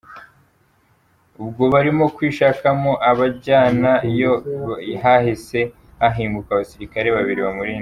Ubwo barimo kwishakamo abanjyana yo, hahise hahinguka abasirikare babiri bamurinda.